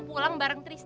pulang bareng triks dan